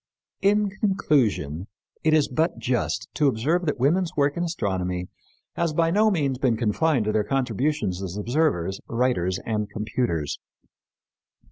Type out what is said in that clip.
In conclusion, it is but just to observe that women's work in astronomy has by no means been confined to their contributions as observers, writers and computers.